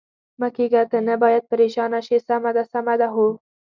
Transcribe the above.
مه کېږه، ته نه باید پرېشانه شې، سمه ده، سمه ده؟ هو.